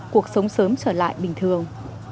cuộc sống sớm trở lại bình thường